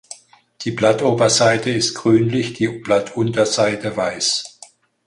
Die Blattoberseite ist grünlich, die Blattunterseite weiß.